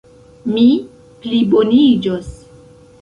Mi pliboniĝos.